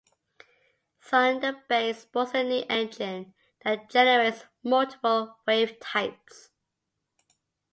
Thunder Bay sports a new engine that generates multiple wave types.